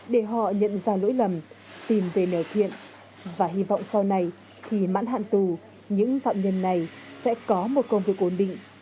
tìm ra lỗi lầm tìm về nề thiện và hy vọng sau này khi mãn hạn tù những phạm nhân này sẽ có một công việc ổn định